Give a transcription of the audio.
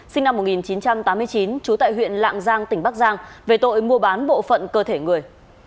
sinh năm một nghìn chín trăm tám mươi chín trú tại huyện lạng giang tỉnh bắc giang về tội mua bán bộ phận cơ thể người